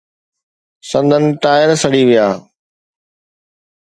سندن ٽائر سڙي ويا.